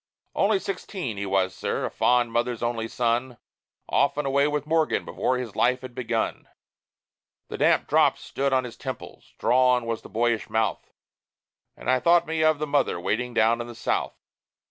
Only sixteen he was, sir a fond mother's only son Off and away with Morgan before his life has begun! The damp drops stood on his temples drawn was the boyish mouth; And I thought me of the mother waiting down in the South.